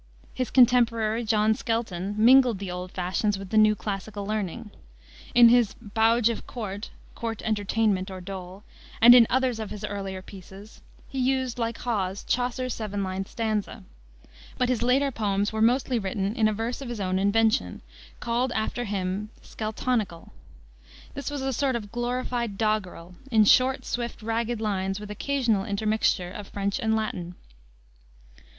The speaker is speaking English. His contemporary, John Skelton, mingled the old fashions with the new classical learning. In his Bowge of Courte (Court Entertainment or Dole), and in others of his earlier pieces, he used, like Hawes, Chaucer's seven lined stanza. But his later poems were mostly written in a verse of his own invention, called after him Skeltonical. This was a sort of glorified doggerel, in short, swift, ragged lines, with occasional intermixture of French and Latin.